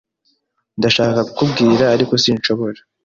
Ndashaka kukubwira, ariko sinshobora.